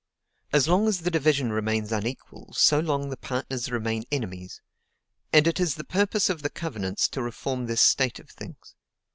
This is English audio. As long as the division remains unequal, so long the partners remain enemies; and it is the purpose of the covenants to reform this state of things.